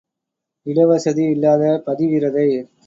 இட வசதி இல்லாத பதிவிரதை.